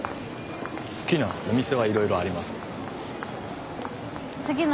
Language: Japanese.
好きなお店はいろいろありますけど。